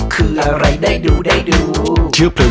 คืออะไรได้ดูได้ดู